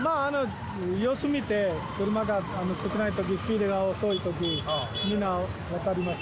様子見て、車が少ないとき、スピードが遅いとき、みんな渡ります。